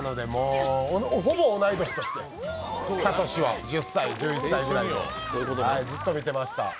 ほぼ同い年として、サトシは１０歳、１１歳からずっと見てました。